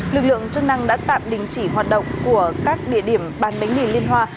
lực lượng chức năng đã tạm đình chỉ hoạt động của các địa điểm bán bánh mì liên hoa